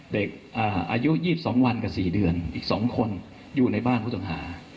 เด็กอ่าอายุยี่สองวันกับสี่เดือนอีกสองคนอยู่ในบ้านผู้ต้องหา